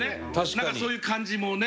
なんかそういう感じもね。